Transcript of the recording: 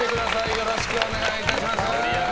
よろしくお願いします。